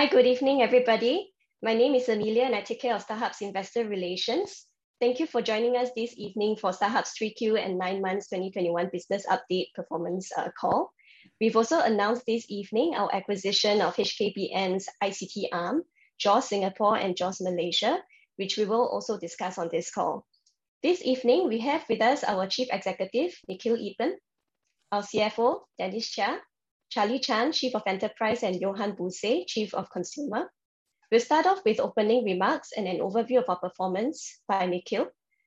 Hi, good evening, everybody. My name is Amelia and I take care of StarHub's investor relations. Thank you for joining us this evening for StarHub's 3Q and nine months 2021 business update performance call. We've also announced this evening our acquisition of HKBN's ICT arm, JOS Singapore and JOS Malaysia, which we will also discuss on this call. This evening, we have with us our Chief Executive, Nikhil Eapen, our CFO, Dennis Chia, Charlie Chan, Chief of Enterprise, and Johan Buse, Chief of Consumer. We'll start off with opening remarks and an overview of our performance by Nikhil,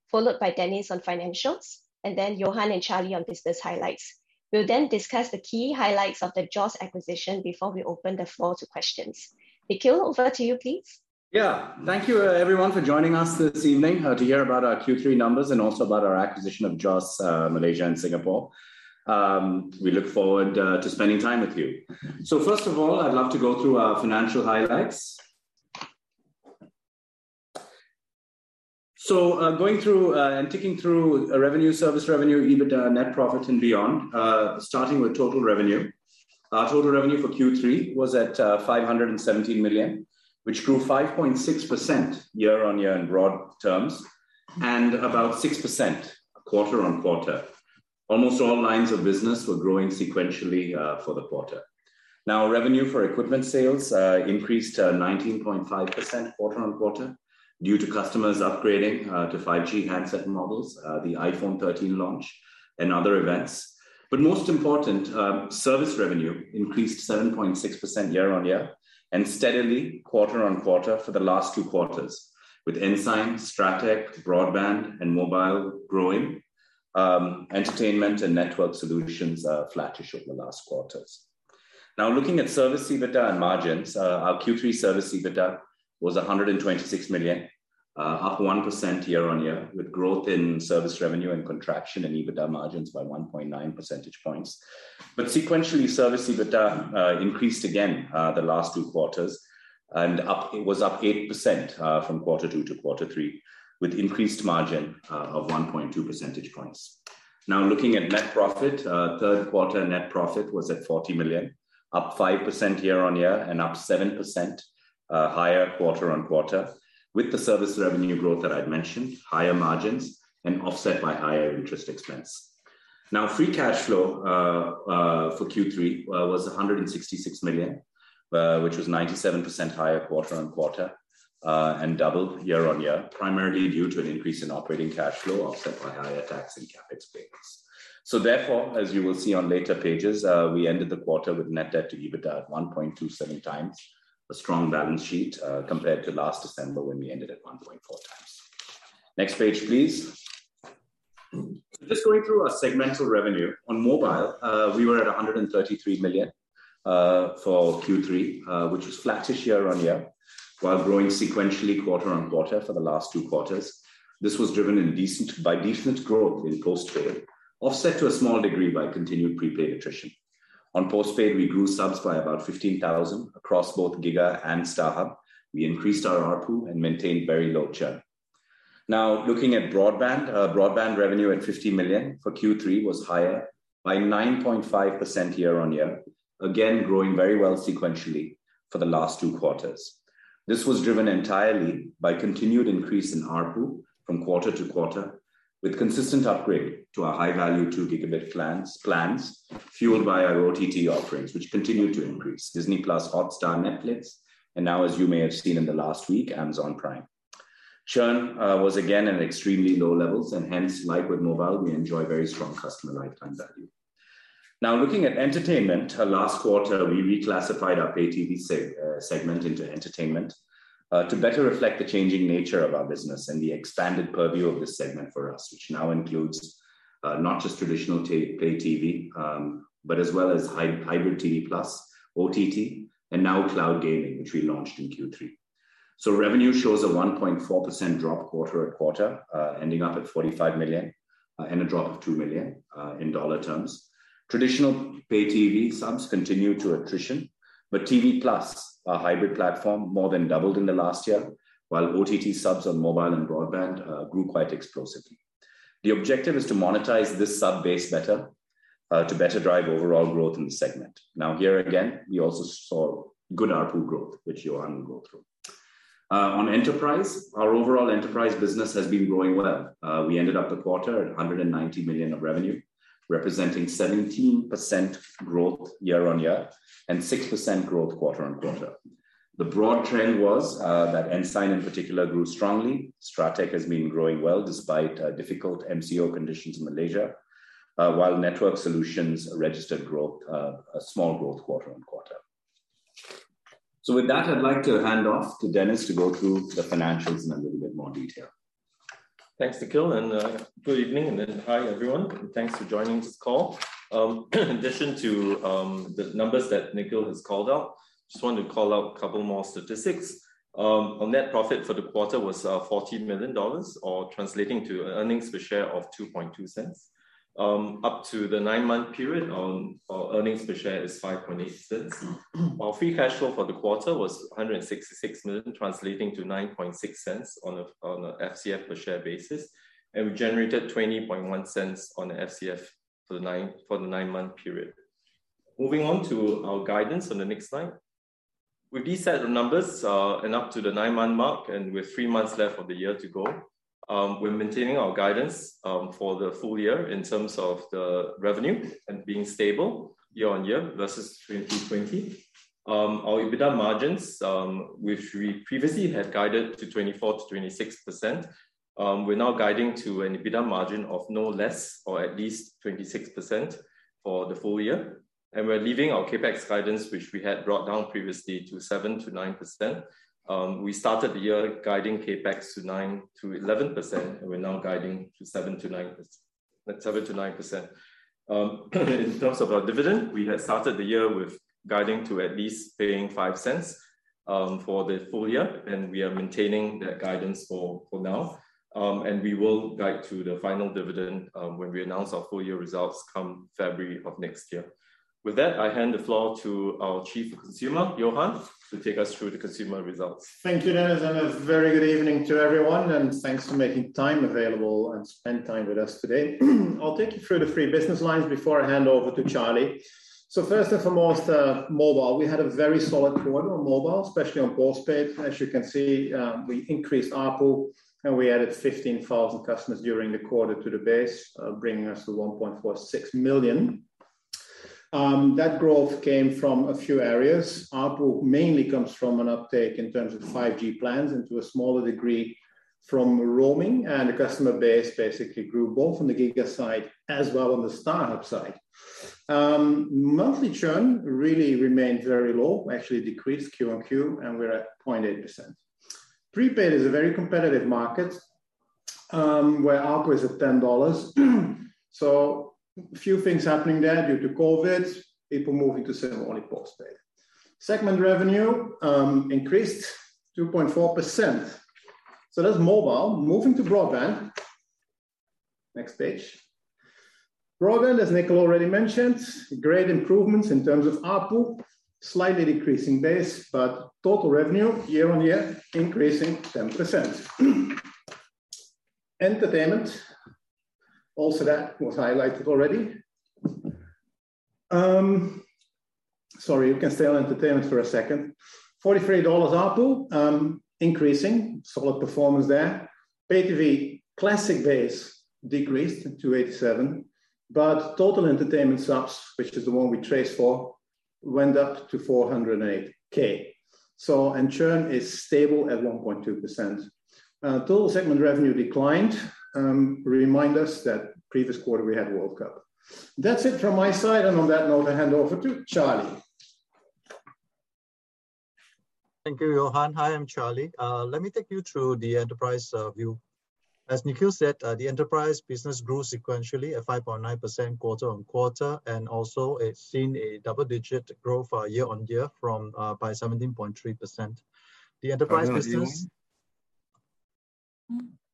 followed by Dennis on financials, and then Johan and Charlie on business highlights. We'll then discuss the key highlights of the JOS acquisition before we open the floor to questions. Nikhil, over to you, please. Thank you, everyone, for joining us this evening to hear about our Q3 numbers and also about our acquisition of JOS Malaysia and Singapore. We look forward to spending time with you. First of all, I'd love to go through our financial highlights. Going through and ticking through revenue, service revenue, EBITDA, net profit, and beyond, starting with total revenue. Our total revenue for Q3 was at 517 million, which grew 5.6% year-on-year in broad terms, and about 6% quarter-on-quarter. Almost all lines of business were growing sequentially for the quarter. Revenue for equipment sales increased 19.5% quarter-on-quarter due to customers upgrading to 5G handset models, the iPhone 13 launch, and other events. Most important, service revenue increased 7.6% year-on-year and steadily quarter-on-quarter for the last two quarters, with Ensign, Strateq, broadband, and mobile growing. Entertainment and network solutions are flattish over the last quarters. Looking at service EBITDA and margins, our Q3 service EBITDA was 126 million, up 1% year-on-year, with growth in service revenue and contraction in EBITDA margins by 1.9 percentage points. Sequentially, service EBITDA increased again the last two quarters and it was up 8% from Q2 to Q3, with increased margin of 1.2 percentage points. Looking at net profit, Q3 net profit was at 40 million, up 5% year-on-year, up 7% higher quarter-on-quarter with the service revenue growth that I'd mentioned, higher margins, offset by higher interest expense. Free cash flow for Q3 was 166 million, which was 97% higher quarter-on-quarter, double year-on-year, primarily due to an increase in operating cash flow offset by higher tax and CapEx payments. Therefore, as you will see on later pages, we ended the quarter with net debt-to-EBITDA at 1.27x. A strong balance sheet compared to last December, when we ended at 1.4x. Next page, please. Just going through our segmental revenue. On mobile, we were at 133 million for Q3, which was flattish year-on-year while growing sequentially quarter-on-quarter for the last 2Q. This was driven by decent growth in postpaid, offset to a small degree by continued prepaid attrition. On postpaid, we grew subs by about 15,000 across both giga! and StarHub. We increased our ARPU and maintained very low churn. Now looking at broadband. Broadband revenue at 50 million for Q3 was higher by 9.5% year-on-year. Again, growing very well sequentially for the last 2Q. This was driven entirely by continued increase in ARPU from quarter-to-quarter with consistent upgrade to our high-value 2 Gb plans fueled by our OTT offerings, which continue to increase. Disney+, Hotstar, Netflix. Now as you may have seen in the last week, Amazon Prime. Churn was again at extremely low levels. Hence, like with mobile, we enjoy very strong customer lifetime value. Now looking at entertainment. Last quarter, we reclassified our pay TV segment into entertainment to better reflect the changing nature of our business and the expanded purview of this segment for us, which now includes not just traditional pay TV, but as well as hybrid StarHub TV+ OTT. Now cloud gaming, which we launched in Q3. Revenue shows a 1.4% drop quarter-on-quarter, ending up at 45 million and a drop of 2 million in dollar terms. Traditional pay TV subs continue to attrition. StarHub TV+, our hybrid platform, more than doubled in the last year, while OTT subs on mobile and broadband grew quite explosively. The objective is to monetize this sub base better to better drive overall growth in the segment. Here again, we also saw good ARPU growth, which Johan will go through. On enterprise, our overall enterprise business has been growing well. We ended up the quarter at 190 million of revenue, representing 17% growth year-on-year and 6% growth quarter-on-quarter. The broad trend was that Ensign in particular grew strongly. Strateq has been growing well despite difficult MCO conditions in Malaysia, while network solutions registered a small growth quarter-on-quarter. With that, I'd like to hand off to Dennis to go through the financials in a little bit more detail. Thanks, Nikhil. Good evening, and hi everyone. Thanks for joining this call. In addition to the numbers that Nikhil has called out, I just want to call out a couple more statistics. Our net profit for the quarter was $40 million, or translating to an earnings per share of 0.022. Up to the nine month period, our earnings per share is 0.058. Our free cash flow for the quarter was 166 million, translating to 0.096 on a FCF per share basis, and we generated 0.201 on the FCF for the nine month period. Moving on to our guidance on the next slide. With these set of numbers, and up to the nine month mark, and with three months left of the year to go, we're maintaining our guidance for the full year in terms of the revenue and being stable year-on-year versus 2020. Our EBITDA margins, which we previously had guided to 24%-26%, we're now guiding to an EBITDA margin of no less or at least 26% for the full year. We're leaving our CapEx guidance, which we had brought down previously to 7%-9%. We started the year guiding CapEx to 9%-11%, and we're now guiding to 7%-9%. In terms of our dividend, we had started the year with guiding to at least paying 0.05 for the full year, and we are maintaining that guidance for now. We will guide to the final dividend when we announce our full-year results come February of next year. With that, I hand the floor to our Chief of Consumer Business Group, Johan, to take us through the consumer results. Thank you, Dennis, a very good evening to everyone, thanks for making time available and spend time with us today. I'll take you through the three business lines before I hand over to Charlie. First and foremost, mobile. We had a very solid quarter on mobile, especially on postpaid. As you can see, we increased ARPU, we added 15,000 customers during the quarter to the base, bringing us to 1.46 million. That growth came from a few areas. ARPU mainly comes from an uptake in terms of 5G plans, to a smaller degree from roaming. The customer base basically grew both on the giga! side as well on the StarHub side. Monthly churn really remained very low, actually decreased Q on Q, we're at 0.8%. Prepaid is a very competitive market, where ARPU is at 10 dollars. A few things happening there due to COVID, people moving to similarly postpaid. Segment revenue increased 2.4%. That's mobile. Moving to broadband. Next page. Broadband, as Nikhil already mentioned, great improvements in terms of ARPU. Slightly decreasing base, but total revenue year-on-year increasing 10%. Entertainment, also that was highlighted already. Sorry, you can stay on entertainment for a second. SGD 43 ARPU, increasing. Solid performance there. Pay-TV classic base decreased to 87, but total entertainment subs, which is the one we trace for, went up to 408,000. Churn is stable at 1.2%. Total segment revenue declined. Remind us that previous quarter we had World Cup. That's it from my side. On that note, I hand over to Charlie. Thank you, Johan. Hi, I'm Charlie. Let me take you through the enterprise view. As Nikhil said, the enterprise business grew sequentially at 5.9% quarter-on-quarter, also it's seen a double-digit growth year-on-year by 17.3%. The enterprise business,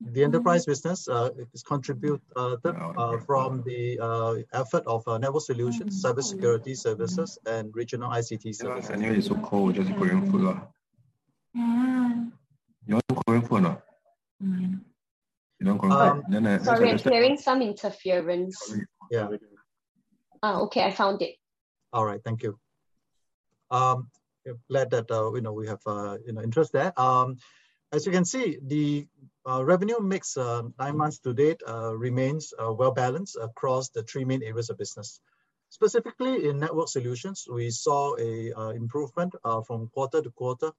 it is contributed from the effort of network solutions, cybersecurity services, and regional ICT services. All right. Thank you. I'm glad that we have interest there. As you can see, the revenue mix nine months to date remains well-balanced across the three main areas of business. Specifically in network solutions, we saw a improvement from quarter-to-quarter.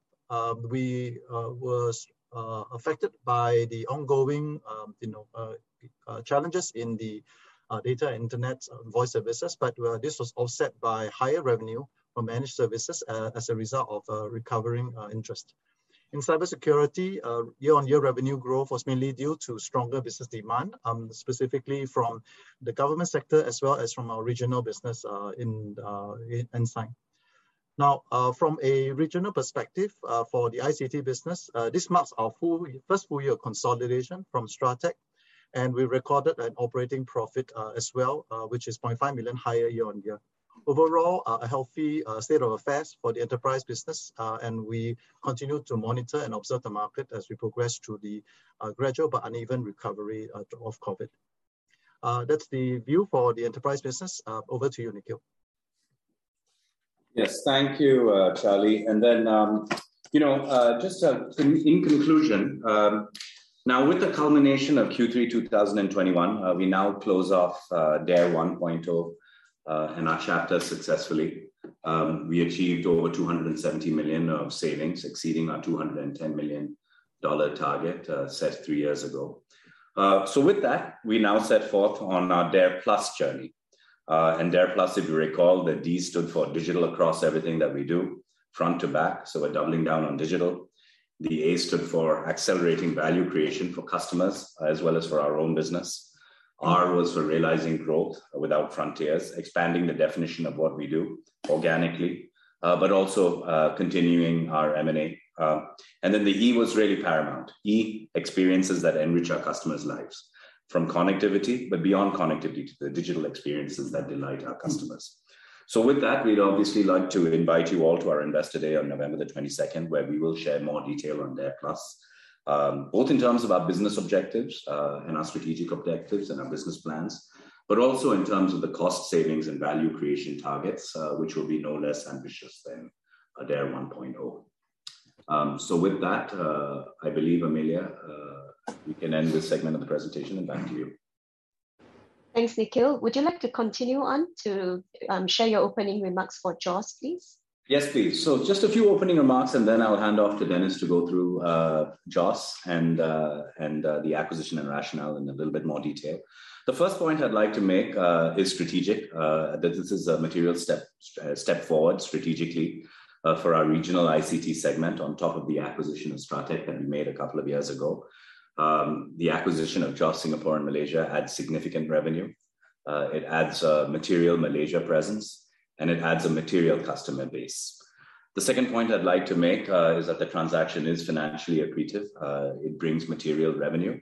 We were affected by the ongoing challenges in the data internet voice services, this was offset by higher revenue from managed services as a result of recovering interest. In cybersecurity, year-on-year revenue growth was mainly due to stronger business demand, specifically from the government sector as well as from our regional business in Ensign. From a regional perspective, for the ICT business, this marks our first full-year consolidation from Strateq, and we recorded an operating profit as well, which is 0.5 million higher year-on-year. Overall, a healthy state of affairs for the enterprise business, and we continue to monitor and observe the market as we progress through the gradual but uneven recovery of COVID. That's the view for the enterprise business. Over to you, Nikhil. Yes. Thank you, Charlie. Just in conclusion, now with the culmination of Q3 2021, we now close off DARE 1.0 and our chapter successfully. We achieved over 270 million of savings, exceeding our 210 million dollar target set three years ago. With that, we now set forth on our DARE+ journey. DARE+, if you recall, the D stood for digital across everything that we do, front to back. We're doubling down on digital. The A stood for accelerating value creation for customers as well as for our own business. R was for realizing growth without frontiers, expanding the definition of what we do organically, but also continuing our M&A. The E was really paramount. E, experiences that enrich our customers' lives, from connectivity, but beyond connectivity to the digital experiences that delight our customers. With that, we'd obviously like to invite you all to our Investor Day on November the 22nd, where we will share more detail on DARE+, both in terms of our business objectives and our strategic objectives and our business plans, but also in terms of the cost savings and value creation targets, which will be no less ambitious than DARE 1.0. With that, I believe, Amelia, we can end this segment of the presentation and back to you. Thanks, Nikhil. Would you like to continue on to share your opening remarks for JOS, please? Yes, please. Just a few opening remarks, and then I'll hand off to Dennis to go through JOS and the acquisition and rationale in a little bit more detail. The first point I'd like to make is strategic that this is a material step forward strategically for our regional ICT segment on top of the acquisition of Strateq that we made a couple of years ago. The acquisition of JOS Singapore and JOS Malaysia adds significant revenue. It adds material Malaysia presence, and it adds a material customer base. The second point I'd like to make is that the transaction is financially accretive. It brings material revenue,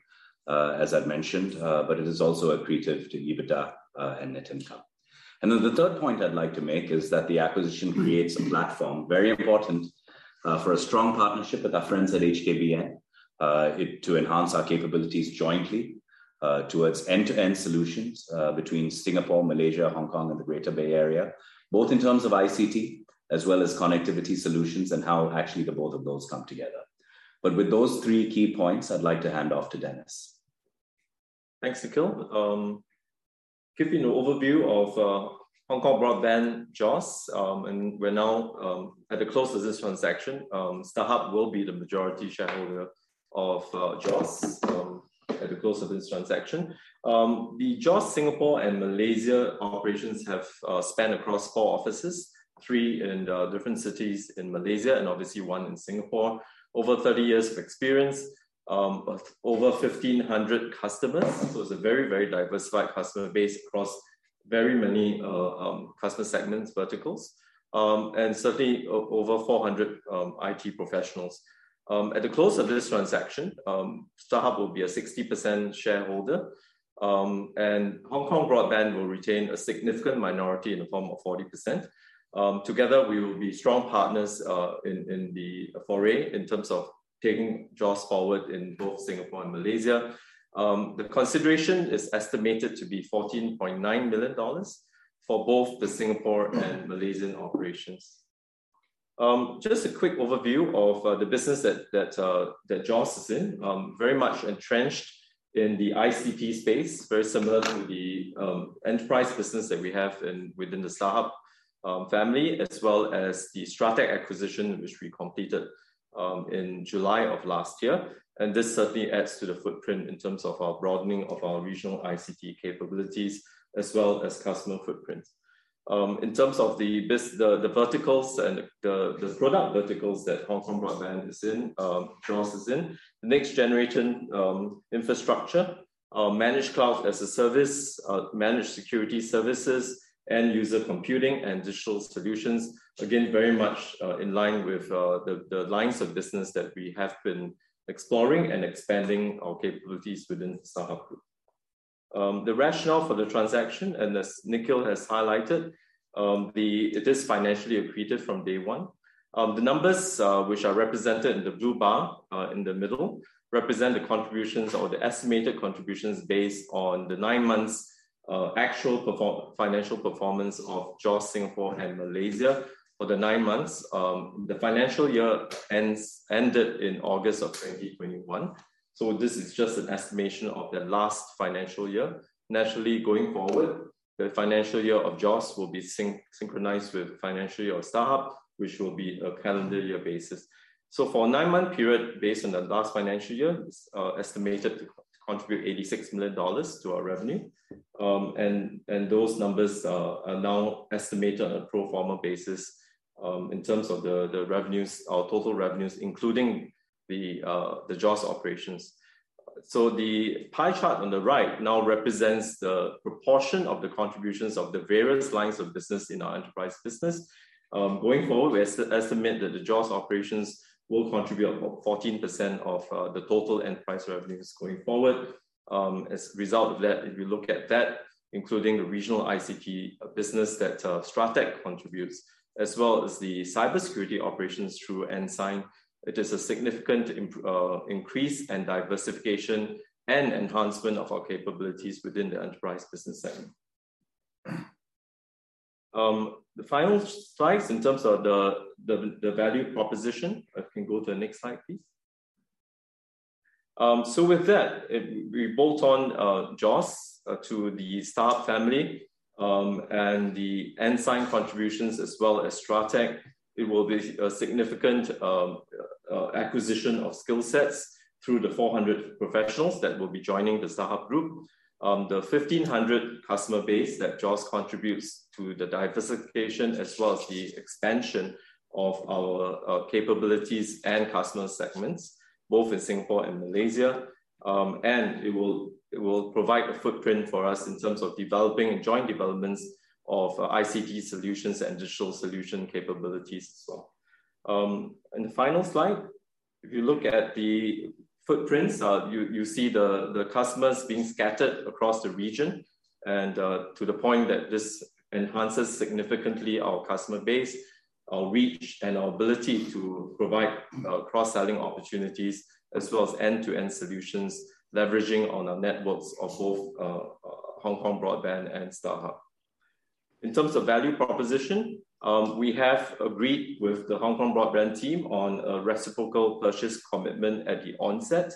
as I've mentioned, but it is also accretive to EBITDA and net income. The third point I'd like to make is that the acquisition creates a platform very important for a strong partnership with our friends at HKBN to enhance our capabilities jointly towards end-to-end solutions between Singapore, Malaysia, Hong Kong, and the Greater Bay Area, both in terms of ICT as well as connectivity solutions and how actually the both of those come together. With those three key points, I'd like to hand off to Dennis. Thanks, Nikhil. Giving an overview of Hong Kong Broadband, JOS, we're now at the close of this transaction. StarHub will be the majority shareholder of JOS at the close of this transaction. The JOS Singapore and Malaysia operations have span across four offices, three in different cities in Malaysia, and obviously one in Singapore. Over 30 years of experience. Over 1,500 customers, so it's a very diversified customer base across very many customer segments, verticals. Certainly over 400 IT professionals. At the close of this transaction, StarHub will be a 60% shareholder, Hong Kong Broadband will retain a significant minority in the form of 40%. Together, we will be strong partners in the foray in terms of taking JOS forward in both Singapore and Malaysia. The consideration is estimated to be 14.9 million dollars for both the Singapore and Malaysian operations. Just a quick overview of the business that JOS is in. Very much entrenched in the ICT space. Very similar to the enterprise business that we have within the StarHub family, as well as the Strateq acquisition, which we completed in July of last year. This certainly adds to the footprint in terms of our broadening of our regional ICT capabilities as well as customer footprint. In terms of the verticals and the product verticals that Hong Kong Broadband is in, JOS is in, next generation infrastructure, managed cloud as a service, managed security services, end-user computing, and digital solutions. Again, very much in line with the lines of business that we have been exploring and expanding our capabilities within StarHub Group. The rationale for the transaction, as Nikhil has highlighted, it is financially accretive from day one. The numbers which are represented in the blue bar in the middle represent the contributions or the estimated contributions based on the nine months actual financial performance of JOS Singapore and Malaysia for the nine months. The financial year ended in August of 2021. This is just an estimation of the last financial year. Naturally, going forward, the financial year of JOS will be synchronized with the financial year of StarHub, which will be a calendar year basis. For a nine month period, based on the last financial year, it's estimated to contribute 86 million dollars to our revenue. Those numbers are now estimated on a pro forma basis in terms of the revenues, our total revenues, including the JOS operations. The pie chart on the right now represents the proportion of the contributions of the various lines of business in our enterprise business. Going forward, we estimate that the JOS operations will contribute about 14% of the total enterprise revenues going forward. As a result of that, if you look at that, including the regional ICT business that Strateq contributes, as well as the cybersecurity operations through Ensign, it is a significant increase in diversification and enhancement of our capabilities within the enterprise business segment. The final slides in terms of the value proposition. I can go to the next slide, please. With that, we bolt on JOS to the StarHub family, and the Ensign contributions as well as Strateq, it will be a significant acquisition of skill sets through the 400 professionals that will be joining the StarHub group. The 1,500 customer base that JOS contributes to the diversification as well as the expansion of our capabilities and customer segments, both in Singapore and Malaysia. It will provide a footprint for us in terms of developing and joint developments of ICT solutions and digital solution capabilities as well. The final slide. If you look at the footprints, you see the customers being scattered across the region, and to the point that this enhances significantly our customer base, our reach, and our ability to provide cross-selling opportunities as well as end-to-end solutions, leveraging on our networks of both Hong Kong Broadband and StarHub. In terms of value proposition, we have agreed with the Hong Kong Broadband team on a reciprocal purchase commitment at the onset.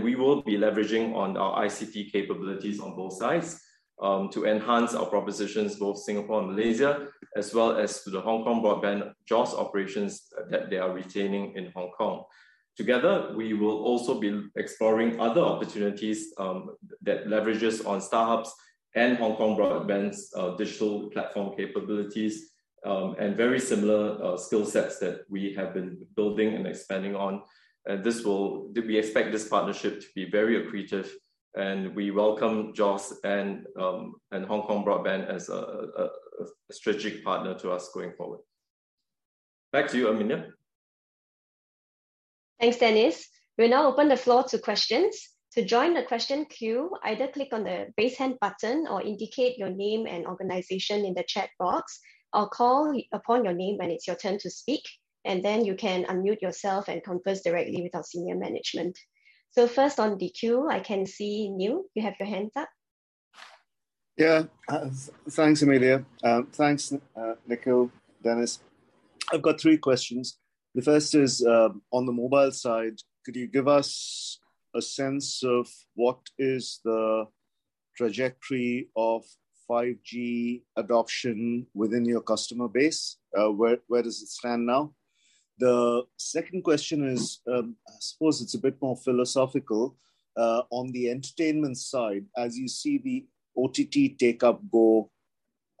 We will be leveraging on our ICT capabilities on both sides to enhance our propositions, both Singapore and Malaysia, as well as to the Hong Kong Broadband JOS operations that they are retaining in Hong Kong. Together, we will also be exploring other opportunities that leverages on StarHub's and Hong Kong Broadband's digital platform capabilities, and very similar skill sets that we have been building and expanding on. We expect this partnership to be very accretive, and we welcome JOS and Hong Kong Broadband as a strategic partner to us going forward. Back to you, Amelia. Thanks, Dennis. We'll now open the floor to questions. To join the question queue, either click on the raise hand button or indicate your name and organization in the chat box. I'll call upon your name when it's your turn to speak, and then you can unmute yourself and converse directly with our senior management. First on the queue, I can see Neil, you have your hand up. Yeah. Thanks, Amelia. Thanks, Nikhil, Dennis. I've got three questions. The first is, on the mobile side, could you give us a sense of what is the trajectory of 5G adoption within your customer base? Where does it stand now? The second question is, I suppose it's a bit more philosophical. On the entertainment side, as you see the OTT takeup go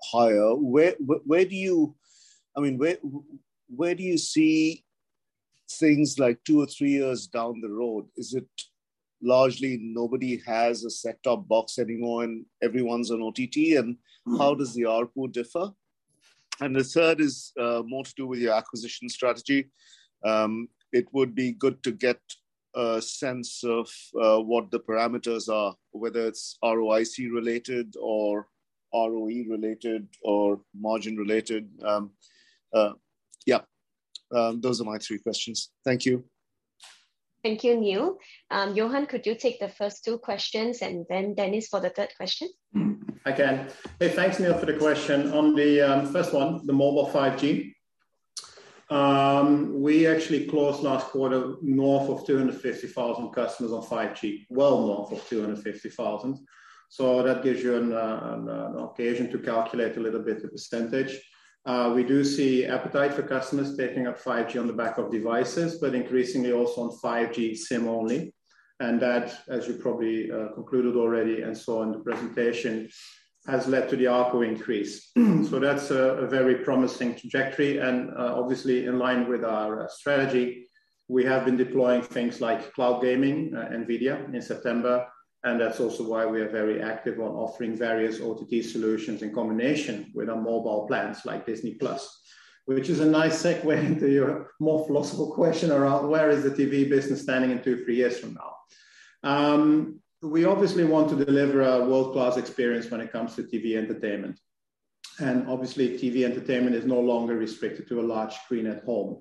higher, where do you see things like two or three years down the road? Is it largely nobody has a set-top box anymore and everyone's on OTT? How does the ARPU differ? The third is more to do with your acquisition strategy. It would be good to get a sense of what the parameters are, whether it's ROIC related or ROE related, or margin related. Yeah. Those are my three questions. Thank you. Thank you, Neil. Johan, could you take the first two questions and then Dennis for the third question? I can. Hey, thanks, Neil, for the question. On the first one, the mobile 5G. We actually closed last quarter north of 250,000 customers on 5G, well north of 250,000. That gives you an occasion to calculate a little bit of percentage. We do see appetite for customers taking up 5G on the back of devices, but increasingly also on 5G SIM-only. That, as you probably concluded already and saw in the presentation, has led to the ARPU increase. That's a very promising trajectory and, obviously, in line with our strategy. We have been deploying things like cloud gaming, NVIDIA, in September. That's also why we are very active on offering various OTT solutions in combination with our mobile plans, like Disney+. Which is a nice segue into your more philosophical question around where is the TV business standing in two or three years from now. We obviously want to deliver a world-class experience when it comes to TV entertainment. Obviously, TV entertainment is no longer restricted to a large screen at home.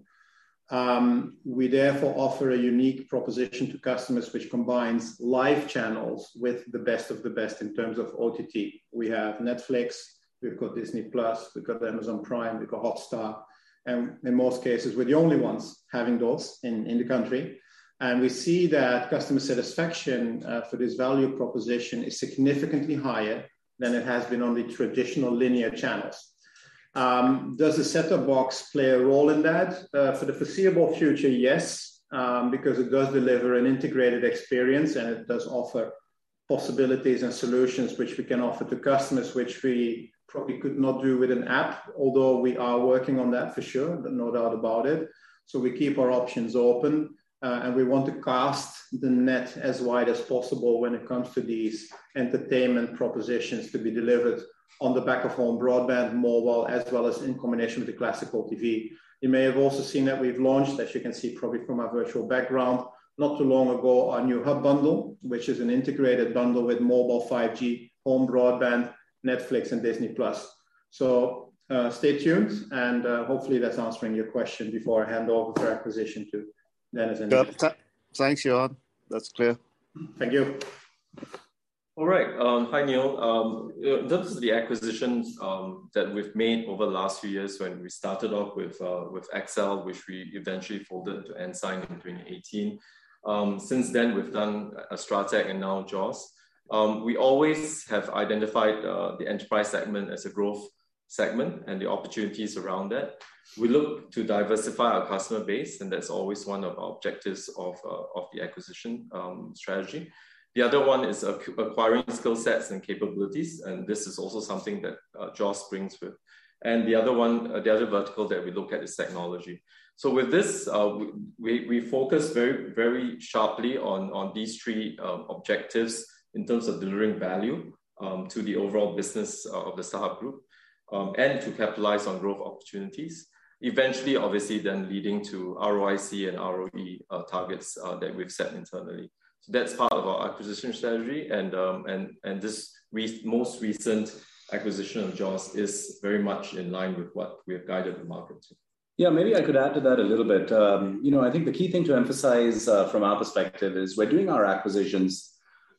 We therefore offer a unique proposition to customers, which combines live channels with the best of the best in terms of OTT. We have Netflix, we've got Disney+, we've got Amazon Prime, we've got Hotstar. In most cases, we're the only ones having those in the country. We see that customer satisfaction for this value proposition is significantly higher than it has been on the traditional linear channels. Does the set-top box play a role in that? For the foreseeable future, yes, because it does deliver an integrated experience, and it does offer possibilities and solutions which we can offer to customers, which we probably could not do with an app. Although we are working on that for sure, no doubt about it. We keep our options open, and we want to cast the net as wide as possible when it comes to these entertainment propositions to be delivered on the back of home broadband, mobile, as well as in combination with the classical TV. You may have also seen that we've launched, as you can see probably from our virtual background, not too long ago, our new HubBundle, which is an integrated bundle with mobile 5G, home broadband, Netflix, and Disney+. Stay tuned and, hopefully, that's answering your question before I hand over for acquisition to Dennis and Nikhil. Yeah. Thanks, Johan. That's clear. Thank you. All right. Hi, Neil. In terms of the acquisitions that we've made over the last few years when we started off with Accel, which we eventually folded into Ensign in 2018. Since then, we've done a Strateq and now JOS. We always have identified the enterprise segment as a growth segment and the opportunities around that. We look to diversify our customer base, and that's always one of our objectives of the acquisition strategy. The other one is acquiring skill sets and capabilities, and this is also something that JOS brings with. The other vertical that we look at is technology. With this, we focus very sharply on these three objectives in terms of delivering value to the overall business of the StarHub Group. To capitalize on growth opportunities, eventually, obviously then leading to ROIC and ROE targets that we've set internally. That's part of our acquisition strategy and this most recent acquisition of JOS is very much in line with what we have guided the market to. Yeah, maybe I could add to that a little bit. I think the key thing to emphasize from our perspective is we're doing our acquisitions.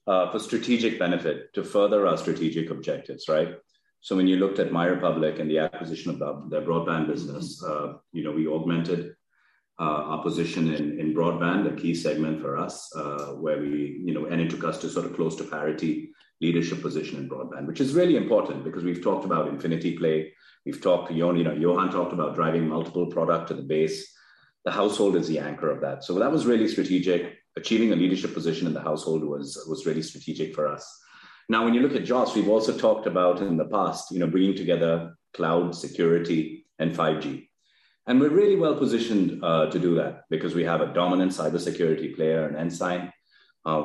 For strategic benefit to further our strategic objectives, right? When you looked at MyRepublic and the acquisition of their broadband business, we augmented our position in broadband, a key segment for us, and it took us to close to parity leadership position in broadband. Which is really important because we've talked about Infinity Play. Johan talked about driving multiple product to the base. The household is the anchor of that. That was really strategic. Achieving a leadership position in the household was really strategic for us. Now, when you look at JOS, we've also talked about in the past, bringing together cloud security and 5G. We're really well-positioned to do that because we have a dominant cybersecurity player in Ensign.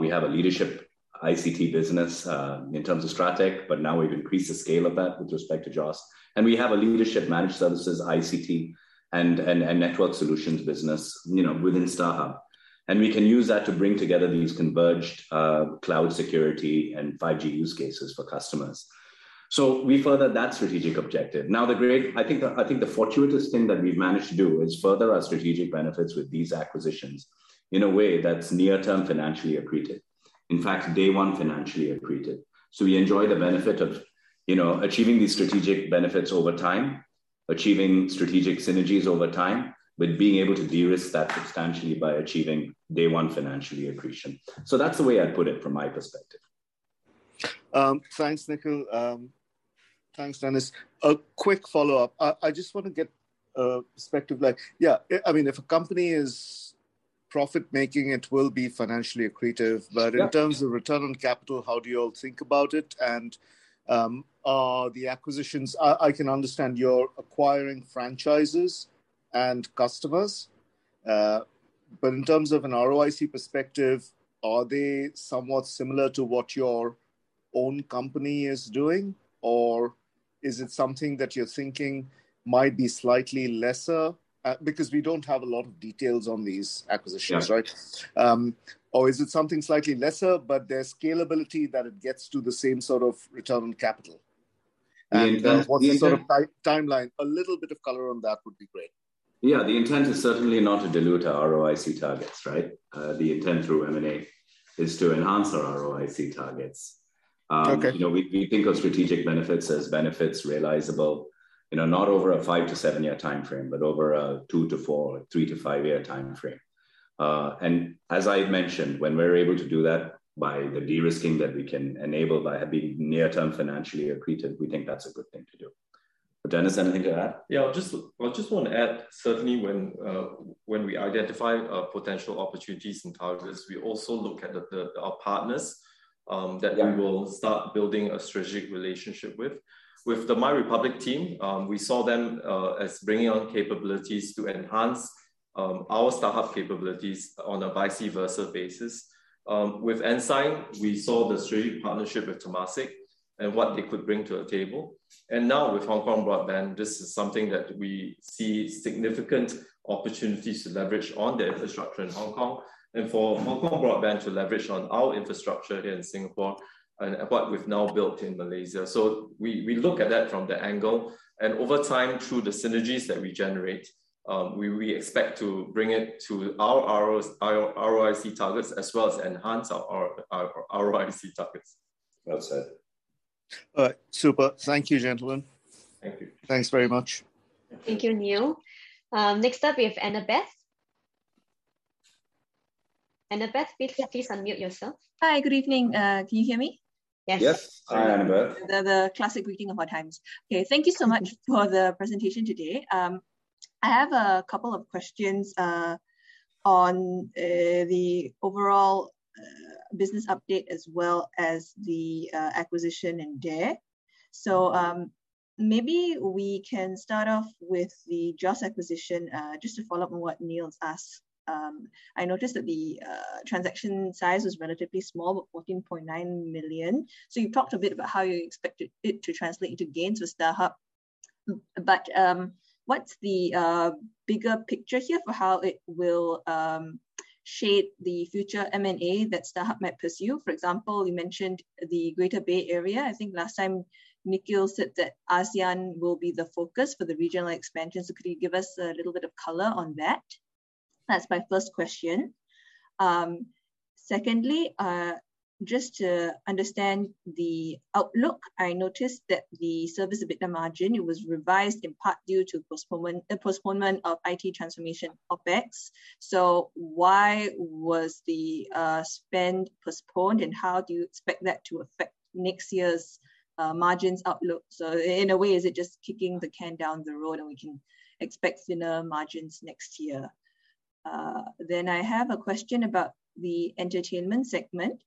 We have a leadership ICT business, in terms of Strateq, but now we've increased the scale of that with respect to JOS. We have a leadership managed services ICT and network solutions business within StarHub. We can use that to bring together these converged cloud security and 5G use cases for customers. We furthered that strategic objective. I think the fortuitous thing that we've managed to do is further our strategic benefits with these acquisitions in a way that's near-term financially accretive. In fact, day one financially accretive. We enjoy the benefit of achieving these strategic benefits over time, achieving strategic synergies over time, but being able to de-risk that substantially by achieving day one financially accretion. That's the way I'd put it from my perspective. Thanks, Nikhil. Thanks, Dennis. A quick follow-up. I just want to get a perspective, if a company is profit-making, it will be financially accretive. Yeah. In terms of return on capital, how do you all think about it? The acquisitions, I can understand you're acquiring franchises and customers. In terms of an ROIC perspective, are they somewhat similar to what your own company is doing? Or is it something that you're thinking might be slightly lesser? We don't have a lot of details on these acquisitions, right? Sure. Is it something slightly lesser, but there's scalability that it gets to the same sort of return on capital? The intent- What's the sort of timeline? A little bit of color on that would be great. Yeah, the intent is certainly not to dilute our ROIC targets, right? The intent through M&A is to enhance our ROIC targets. Okay. We think of strategic benefits as benefits realizable not over a 5-7 year timeframe, but over a 2-4, 3-5 year timeframe. As I've mentioned, when we're able to do that by the de-risking that we can enable by being near-term financially accretive, we think that's a good thing to do. Dennis, anything to add? Yeah, I just want to add, certainly when we identify potential opportunities and targets, we also look at our partners that we will start building a strategic relationship with. With the MyRepublic team, we saw them as bringing on capabilities to enhance our StarHub capabilities on a vice versa basis. With Ensign, we saw the strategic partnership with Temasek and what they could bring to the table. Now with Hong Kong Broadband, this is something that we see significant opportunities to leverage on their infrastructure in Hong Kong, and for Hong Kong Broadband to leverage on our infrastructure here in Singapore and what we've now built in Malaysia. We look at that from that angle, and over time, through the synergies that we generate, we expect to bring it to our ROIC targets as well as enhance our ROIC targets. Well said. All right. Super. Thank you, gentlemen. Thank you. Thanks. Thanks very much. Thank you, Neil. Next up, we have Annabeth. Annabeth, please unmute yourself. Hi. Good evening. Can you hear me? Yes. Yes. Hi, Annabeth. The classic greeting of our times. Okay, thank you so much for the presentation today. I have a couple of questions on the overall business update as well as the acquisition in DARE. Maybe we can start off with the JOS acquisition, just to follow up on what Neil asked. I noticed that the transaction size was relatively small, about 14.9 million. You talked a bit about how you expected it to translate into gains for StarHub, but what's the bigger picture here for how it will shape the future M&A that StarHub might pursue? For example, you mentioned the Greater Bay Area. I think last time Nikhil said that ASEAN will be the focus for the regional expansion. Could you give us a little bit of color on that? That's my first question. Secondly, just to understand the outlook, I noticed that the service EBITDA margin, it was revised in part due to postponement of IT transformation OpEx. Why was the spend postponed, and how do you expect that to affect next year's margins outlook? In a way, is it just kicking the can down the road and we can expect thinner margins next year? I have a question about the entertainment segment.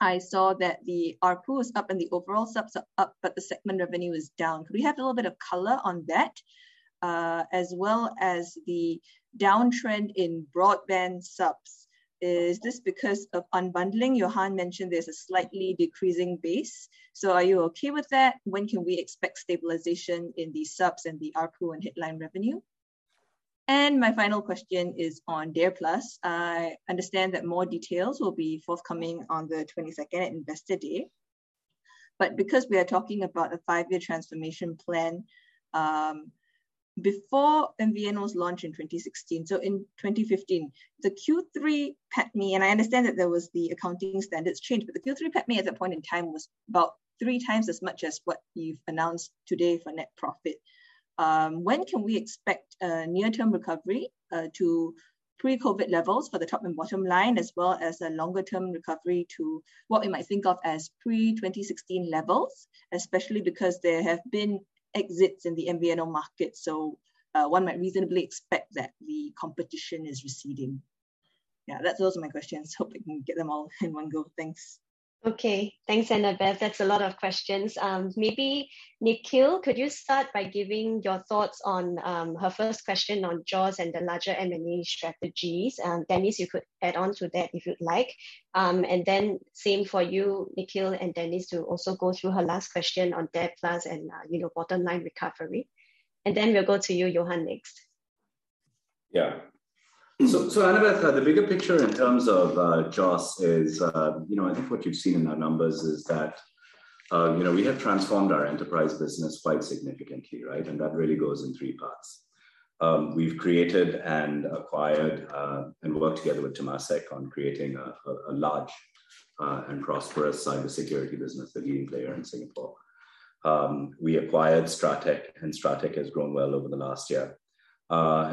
I saw that the ARPU is up and the overall subs are up, but the segment revenue is down. Could we have a little bit of color on that? As well as the downtrend in broadband subs. Is this because of unbundling? Johan mentioned there's a slightly decreasing base. Are you okay with that? When can we expect stabilization in the subs and the ARPU and headline revenue? My final question is on DARE+. I understand that more details will be forthcoming on the 22nd at Investor Day. Because we are talking about a five-year transformation plan, before MVNO's launch in 2016, in 2015, the Q3 PATMI, I understand that there was the accounting standards change, the Q3 PATMI at that point in time was about three times as much as what you've announced today for net profit. When can we expect a near-term recovery to pre-COVID levels for the top and bottom line, as well as a longer-term recovery to what we might think of as pre-2016 levels? Especially because there have been exits in the MVNO market, one might reasonably expect that the competition is receding. Yeah, those are my questions. Hope I can get them all in one go. Thanks. Okay. Thanks, Annabeth Leow. That's a lot of questions. Maybe Nikhil Eapen, could you start by giving your thoughts on her first question on JOS and the larger M&A strategies? Dennis Chia, you could add onto that if you'd like. Then same for you, Nikhil Eapen and Dennis Chia, to also go through her last question on DARE+ and bottom line recovery. Then we'll go to you, Johan Buse, next. Annabeth, the bigger picture in terms of JOS is, I think what you've seen in our numbers is that we have transformed our enterprise business quite significantly, right? That really goes in three parts. We've created and acquired, and worked together with Temasek on creating a large and prosperous cybersecurity business, a leading player in Singapore. We acquired Strateq, and Strateq has grown well over the last year.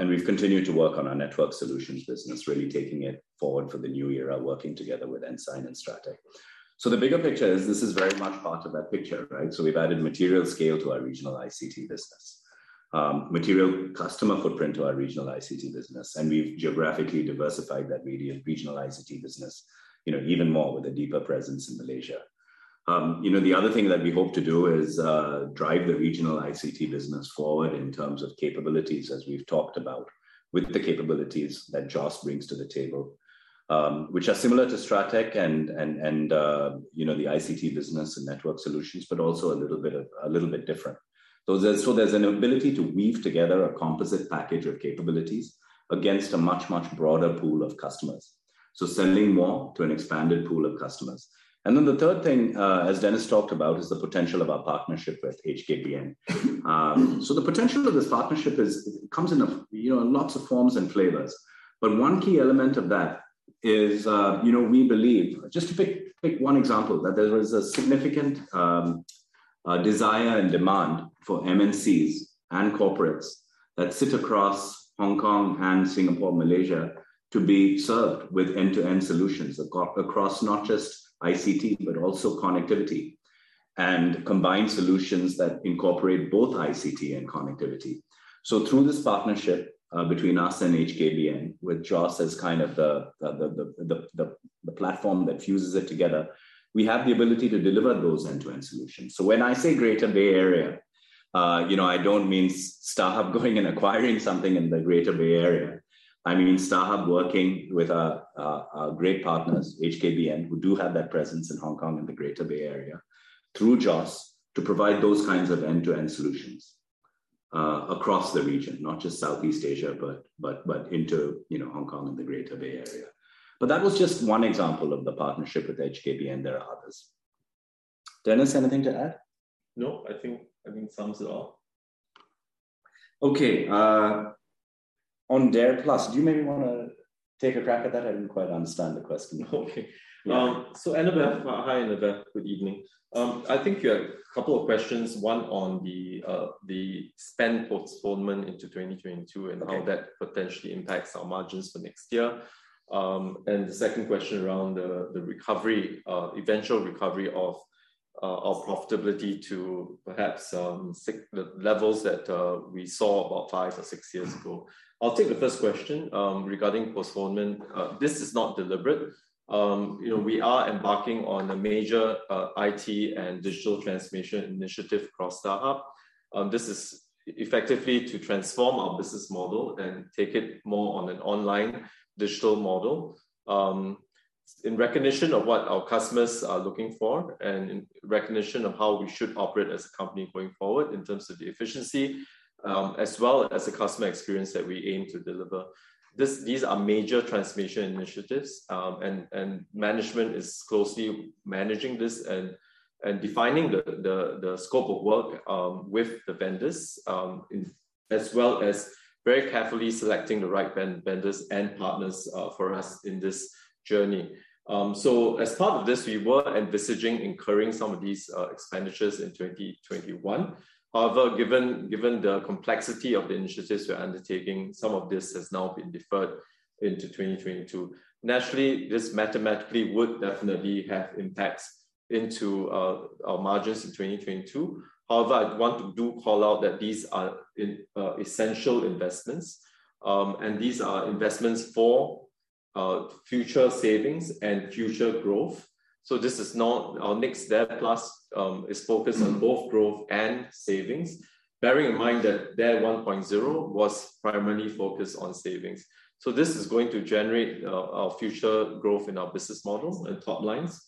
We've continued to work on our network solutions business, really taking it forward for the new era, working together with Ensign and Strateq. The bigger picture is this is very much part of that picture, right? We've added material scale to our regional ICT business, material customer footprint to our regional ICT business, and we've geographically diversified that regional ICT business even more with a deeper presence in Malaysia. The other thing that we hope to do is drive the regional ICT business forward in terms of capabilities, as we've talked about, with the capabilities that JOS brings to the table, which are similar to Strateq and the ICT business and network solutions, but also a little bit different. There's an ability to weave together a composite package of capabilities against a much, much broader pool of customers. Selling more to an expanded pool of customers. The third thing, as Dennis talked about, is the potential of our partnership with HKBN. The potential of this partnership comes in lots of forms and flavors. One key element of that is we believe, just to pick one example, that there is a significant desire and demand for MNCs and corporates that sit across Hong Kong and Singapore, Malaysia, to be served with end-to-end solutions across not just ICT, but also connectivity, and combined solutions that incorporate both ICT and connectivity. Through this partnership between us and HKBN, with JOS as kind of the platform that fuses it together, we have the ability to deliver those end-to-end solutions. When I say Greater Bay Area, I don't mean StarHub going and acquiring something in the Greater Bay Area. I mean StarHub working with our great partners, HKBN, who do have that presence in Hong Kong and the Greater Bay Area, through JOS to provide those kinds of end-to-end solutions across the region, not just Southeast Asia, but into Hong Kong and the Greater Bay Area. That was just one example of the partnership with HKBN. There are others. Dennis, anything to add? No, I think that sums it all. Okay. On DARE+, do you maybe want to take a crack at that? I didn't quite understand the question. Okay. Yeah. Annabeth, hi Annabeth. Good evening. I think you had a couple of questions, one on the spend postponement into 2022 and how that potentially impacts our margins for next year, and the second question around the eventual recovery of profitability to perhaps the levels that we saw about five or six years ago. I'll take the first question regarding postponement. This is not deliberate. We are embarking on a major IT and digital transformation initiative across StarHub. This is effectively to transform our business model and take it more on an online digital model in recognition of what our customers are looking for and in recognition of how we should operate as a company going forward in terms of the efficiency, as well as the customer experience that we aim to deliver. These are major transformation initiatives, and management is closely managing this and defining the scope of work with the vendors, as well as very carefully selecting the right vendors and partners for us in this journey. As part of this, we were envisaging incurring some of these expenditures in 2021. Given the complexity of the initiatives we're undertaking, some of this has now been deferred into 2022. This mathematically would definitely have impacts into our margins in 2022. I want to do call out that these are essential investments, and these are investments for future savings and future growth. Our next DARE+ is focused on both growth and savings, bearing in mind that DARE 1.0 was primarily focused on savings. This is going to generate our future growth in our business model and top lines,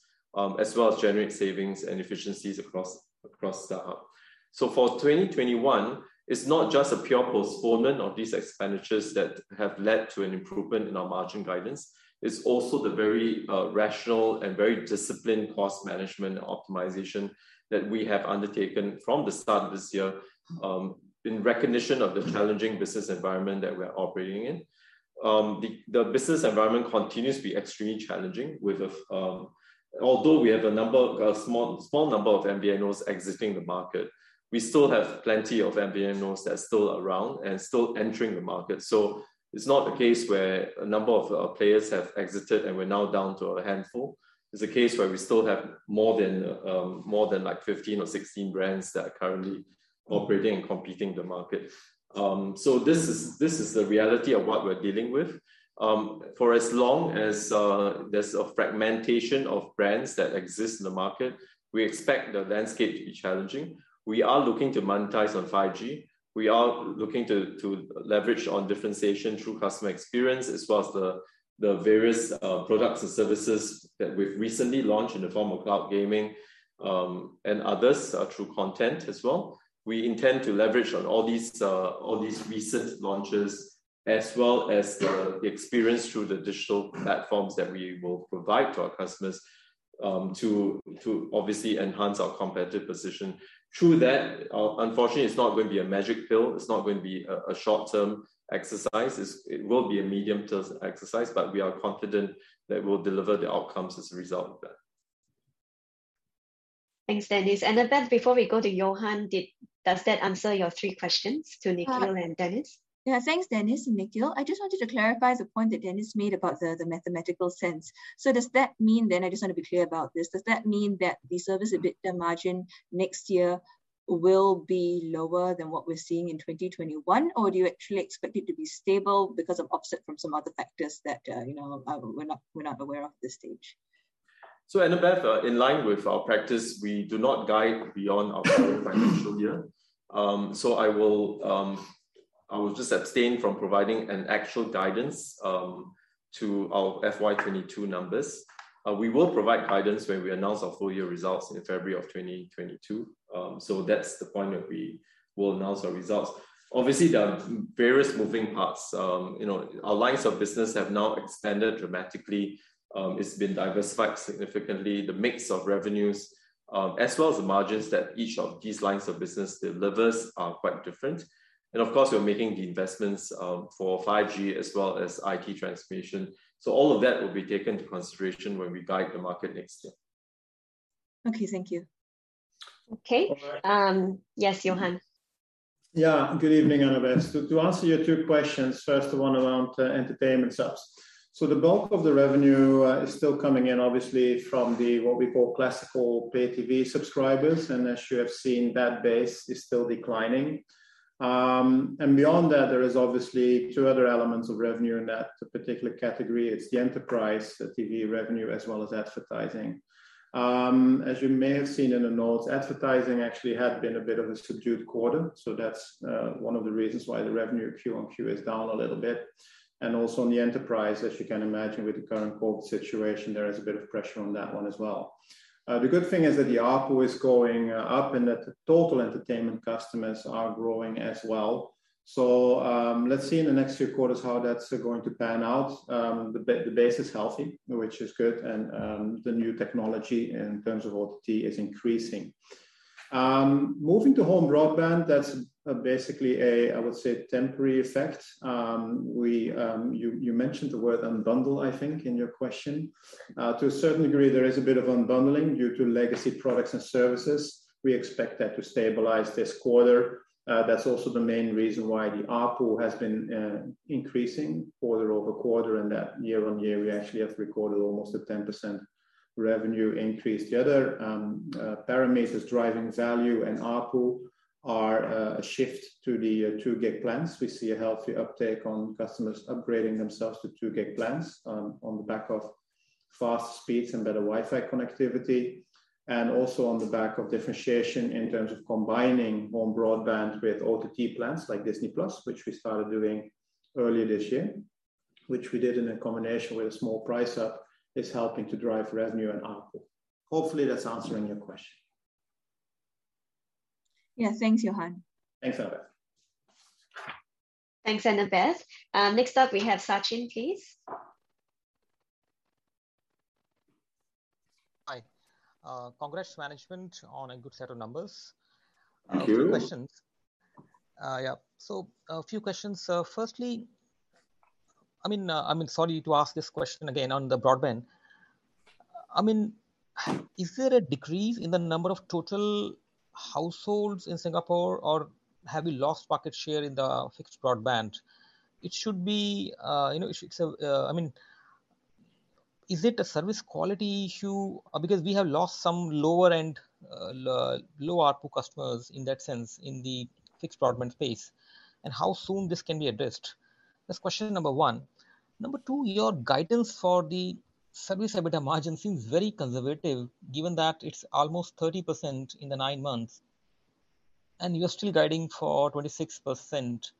as well as generate savings and efficiencies across StarHub. For 2021, it's not just a pure postponement of these expenditures that have led to an improvement in our margin guidance. It's also the very rational and very disciplined cost management optimization that we have undertaken from the start of this year, in recognition of the challenging business environment that we're operating in. The business environment continues to be extremely challenging. Although we have a small number of MVNOs exiting the market, we still have plenty of MVNOs that are still around and still entering the market. It's not a case where a number of players have exited and we're now down to a handful. It's a case where we still have more than 15 or 16 brands that are currently operating and competing in the market. This is the reality of what we're dealing with. For as long as there's a fragmentation of brands that exist in the market, we expect the landscape to be challenging. We are looking to monetize on 5G. We are looking to leverage on differentiation through customer experience, as well as the various products and services that we've recently launched in the form of cloud gaming, and others, through content as well. We intend to leverage on all these recent launches as well as the experience through the digital platforms that we will provide to our customers, to obviously enhance our competitive position. Through that, unfortunately, it's not going to be a magic pill. It's not going to be a short-term exercise. It will be a medium-term exercise, but we are confident that we'll deliver the outcomes as a result of that. Thanks, Dennis. Annabeth, before we go to Johan, does that answer your three questions to Nikhil and Dennis? Yeah. Thanks, Dennis and Nikhil. I just wanted to clarify the point that Dennis made about the mathematical sense. Does that mean then, I just want to be clear about this, does that mean that the service EBITDA margin next year will be lower than what we're seeing in 2021? Do you actually expect it to be stable because of offset from some other factors that we're not aware of at this stage? Annabeth, in line with our practice, we do not guide beyond our current financial year. I will just abstain from providing an actual guidance to our FY22 numbers. We will provide guidance when we announce our full-year results in February of 2022. That's the point that we will announce our results. Obviously, there are various moving parts. Our lines of business have now extended dramatically. It's been diversified significantly. The mix of revenues, as well as the margins that each of these lines of business delivers are quite different. Of course, we're making the investments for 5G as well as IT transformation. All of that will be taken into consideration when we guide the market next year. Okay. Thank you. Okay. Yes, Johan. Yeah. Good evening, Annabeth. To answer your two questions, first the one around entertainment subs. The bulk of the revenue is still coming in, obviously from the, what we call classical pay TV subscribers, and as you have seen, that base is still declining. Beyond that, there is obviously two other elements of revenue in that particular category. It's the enterprise, the TV revenue, as well as advertising. As you may have seen in the notes, advertising actually had been a bit of a subdued quarter, so that's one of the reasons why the revenue Q on Q is down a little bit. Also on the enterprise, as you can imagine with the current COVID situation, there is a bit of pressure on that one as well. The good thing is that the ARPU is going up and that the total entertainment customers are growing as well. Let's see in the next few quarters how that's going to pan out. The base is healthy, which is good, and the new technology in terms of OTT is increasing. Moving to home broadband, that's basically a, I would say, temporary effect. You mentioned the word unbundle, I think, in your question. To a certain degree, there is a bit of unbundling due to legacy products and services. We expect that to stabilize this quarter. That's also the main reason why the ARPU has been increasing quarter-over-quarter, and that year-on-year we actually have recorded almost a 10% revenue increase. The other parameters driving value and ARPU are a shift to the 2 Gb plans. We see a healthy uptake on customers upgrading themselves to 2 Gb plans on the back of fast speeds and better Wi-Fi connectivity, and also on the back of differentiation in terms of combining home broadband with OTT plans like Disney+, which we started doing earlier this year, which we did in a combination with a small price up, is helping to drive revenue and ARPU. Hopefully that's answering your question. Yeah. Thanks, Johan. Thanks, Annabeth. Thanks, Annabeth. Next up we have Sachin, please. Hi. Congrats management on a good set of numbers. Thank you. Few questions. Firstly, sorry to ask this question again on the broadband. I mean, is there a decrease in the number of total households in Singapore? Or have you lost market share in the fixed broadband? Is it a service quality issue? Because we have lost some lower-end, low ARPU customers in that sense in the fixed broadband space. How soon this can be addressed? That's question number one. Number two, your guidance for the service EBITDA margin seems very conservative given that it's almost 30% in the nine months. You're still guiding for 26%.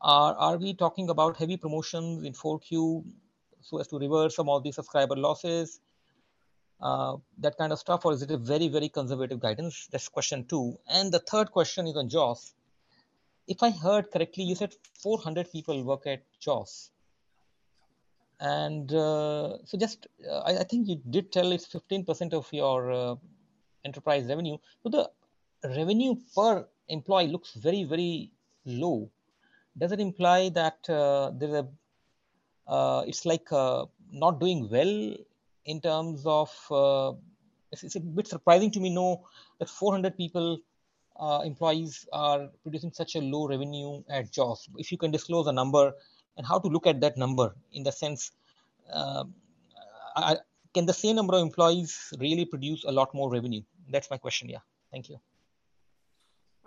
Are we talking about heavy promotions in 4Q so as to reverse some of the subscriber losses, that kind of stuff, or is it a very conservative guidance? That's question two. The third question is on JOS. If I heard correctly, you said 400 people work at JOS. Just, I think you did tell it's 15% of your enterprise revenue, but the revenue per employee looks very low. Does it imply that it's not doing well in terms of. It's a bit surprising to me know that 400 people, employees are producing such a low revenue at JOS. If you can disclose a number and how to look at that number in the sense, can the same number of employees really produce a lot more revenue? That's my question, yeah. Thank you.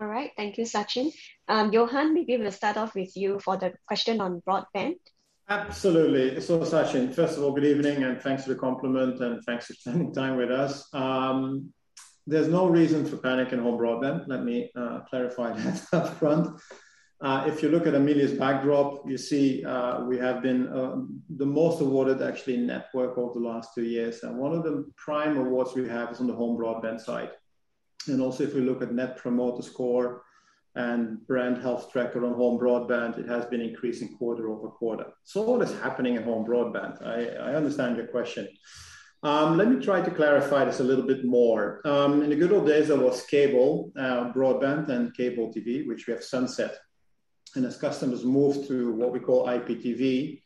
All right. Thank you, Sachin. Johan, maybe we'll start off with you for the question on broadband. Absolutely. Sachin, first of all, good evening and thanks for the compliment and thanks for spending time with us. There's no reason for panic in home broadband. Let me clarify that up front. If you look at Amelia's backdrop, you see we have been the most awarded actually network over the last two years, and one of the prime awards we have is on the home broadband side. Also, if we look at net promoter score and brand health tracker on home broadband, it has been increasing quarter-over-quarter. A lot is happening at home broadband. I understand your question. Let me try to clarify this a little bit more. In the good old days, there was cable broadband and cable TV, which we have sunset. As customers moved to what we call IPTV,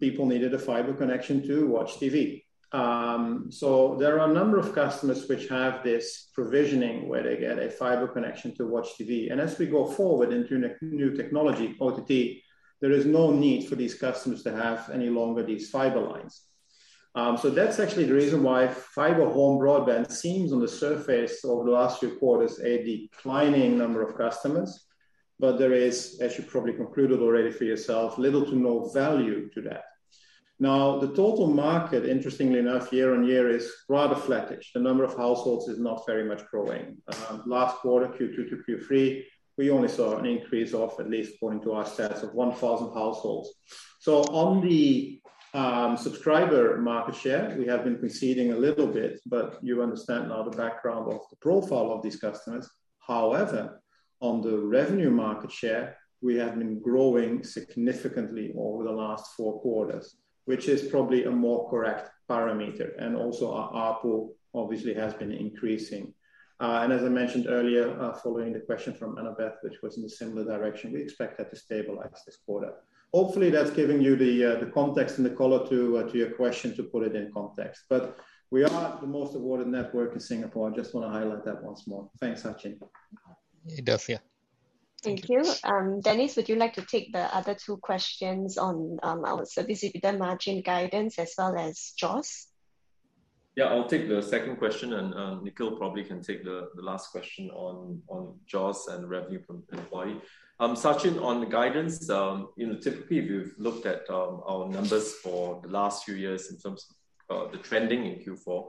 people needed a fiber connection to watch TV. There are a number of customers which have this provisioning where they get a fiber connection to watch TV. As we go forward into new technology, OTT, there is no need for these customers to have any longer these fiber lines. That's actually the reason why fiber home broadband seems on the surface over the last few quarters, a declining number of customers. There is, as you probably concluded already for yourself, little to no value to that. The total market, interestingly enough, year-on-year is rather flattish. The number of households is not very much growing. Last quarter, Q2 to Q3, we only saw an increase of at least according to our stats of 1,000 households. On the subscriber market share, we have been conceding a little bit, but you understand now the background of the profile of these customers. However, on the revenue market share, we have been growing significantly over the last four quarters, which is probably a more correct parameter. Also our ARPU obviously has been increasing. As I mentioned earlier, following the question from Annabeth, which was in a similar direction, we expect that to stabilize this quarter. Hopefully, that's giving you the context and the color to your question to put it in context. We are the most awarded network in Singapore. I just want to highlight that once more. Thanks, Sachin. It does, yeah. Thank you. Dennis, would you like to take the other two questions on our service EBITDA margin guidance as well as JOS? Yeah, I'll take the second question and Nikhil probably can take the last question on JOS and revenue per employee. Sachin, on the guidance, typically, if you've looked at our numbers for the last few years in terms of the trending in Q4,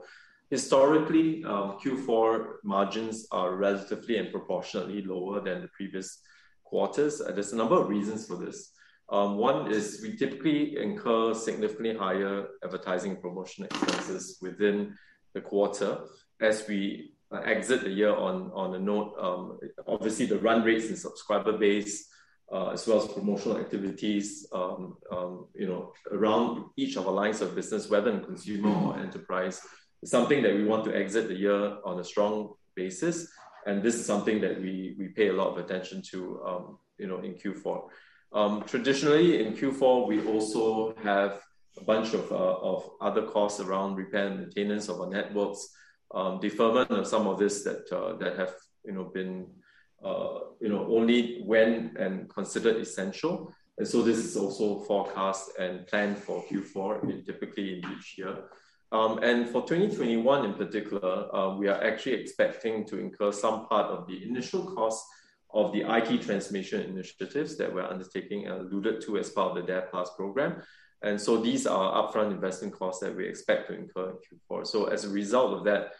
historically, Q4 margins are relatively and proportionately lower than the previous quarters. There's a number of reasons for this. One is we typically incur significantly higher advertising and promotion expenses within the quarter as we exit the year on a note. Obviously, the run rates and subscriber base, as well as promotional activities around each of our lines of business, whether in consumer or enterprise, is something that we want to exit the year on a strong basis. This is something that we pay a lot of attention to in Q4. Traditionally, in Q4, we also have a bunch of other costs around repair and maintenance of our networks, deferment of some of this that have been only when and considered essential. This is also forecast and planned for Q4 typically in each year. For 2021 in particular, we are actually expecting to incur some part of the initial cost of the IT transformation initiatives that we're undertaking and alluded to as part of the DARE+ program. These are upfront investment costs that we expect to incur in Q4. As a result of that,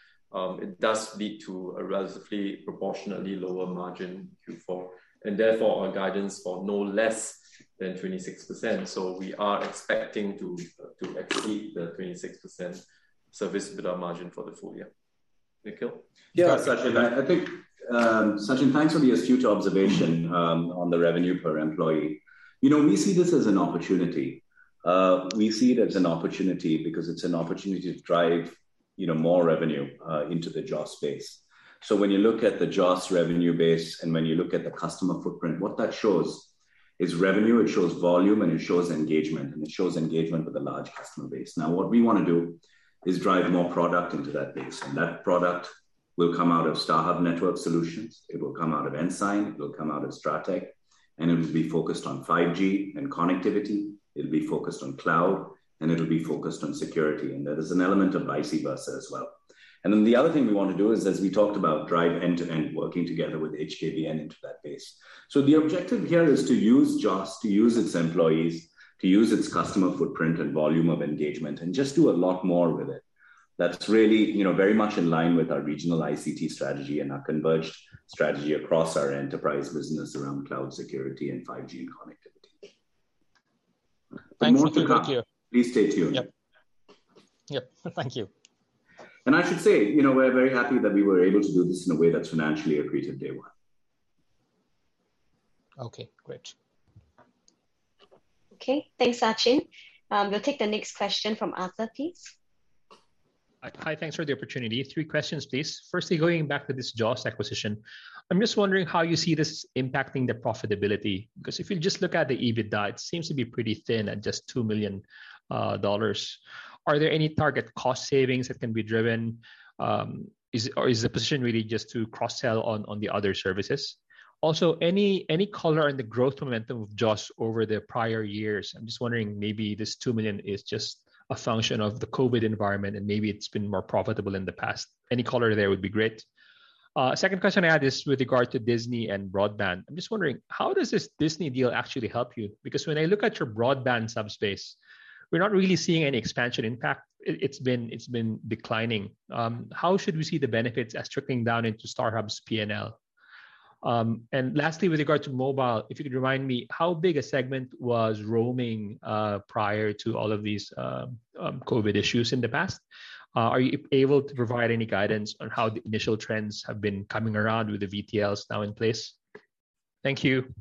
it does lead to a relatively proportionately lower margin in Q4, and therefore our guidance for no less than 26%. We are expecting to exceed the 26% service EBITDA margin for the full year. Nikhil? Yeah, Sachin, thanks for the astute observation on the revenue per employee. We see this as an opportunity. We see it as an opportunity because it's an opportunity to drive more revenue into the JOS space. When you look at the JOS revenue base and when you look at the customer footprint, what that shows is revenue, it shows volume, and it shows engagement. It shows engagement with a large customer base. Now, what we want to do is drive more product into that base. That product will come out of StarHub Network Solutions, it will come out of Ensign, it will come out of Strateq, and it will be focused on 5G and connectivity, it'll be focused on cloud, and it'll be focused on security. There is an element of ICT Business as well. The other thing we want to do is, as we talked about, drive end-to-end working together with HKBN into that base. The objective here is to use JOS, to use its employees, to use its customer footprint and volume of engagement and just do a lot more with it. That's really very much in line with our regional ICT strategy and our converged strategy across our enterprise business around cloud security and 5G connectivity. Thanks for the update, Johan. More to come. Please stay tuned. Yep. Thank you. I should say, we're very happy that we were able to do this in a way that's financially accretive day 1. Okay, great. Okay. Thanks, Sachin. We'll take the next question from Arthur Pineda, please. Hi. Thanks for the opportunity. Three questions, please. Firstly, going back to this JOS acquisition, I'm just wondering how you see this impacting the profitability. If you just look at the EBITDA, it seems to be pretty thin at just 2 million dollars. Are there any target cost savings that can be driven? Is the position really just to cross-sell on the other services? Any color on the growth momentum of JOS over the prior years? I'm just wondering, maybe this 2 million is just a function of the COVID environment, and maybe it's been more profitable in the past. Any color there would be great. Second question I had is with regard to Disney and broadband. I'm just wondering, how does this Disney deal actually help you? When I look at your broadband subspace, we're not really seeing any expansion impact. It's been declining. How should we see the benefits as trickling down into StarHub's P&L? Lastly, with regard to mobile, if you could remind me how big a segment was roaming prior to all of these COVID issues in the past. Are you able to provide any guidance on how the initial trends have been coming around with the VTLs now in place? Thank you.